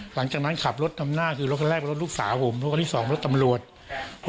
หลังจากนั้นขับรถตำหน้ารถแรกเป็นรถลูกสาผมรถที่สองเป็นรถธรรมรวช